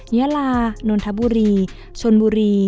ยาลานนทบุรีชนบุรี